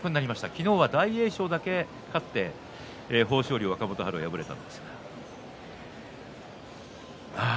昨日は大栄翔だけ勝って豊昇龍、若元春が敗れました。